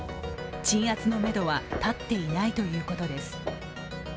鎮圧のめどは立っていないということです。